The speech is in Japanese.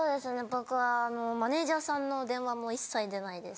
僕はマネジャーさんの電話も一切出ないです。